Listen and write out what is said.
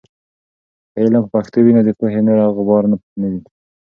که علم په پښتو وي، نو د پوهې نوره غبار نه وي.